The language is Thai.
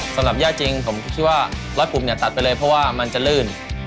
สำหรับย่าจริงผมก็คิดว่าร้อยกลุ่มเนี่ยตัดไปเลยเพราะว่ามันจะลื่น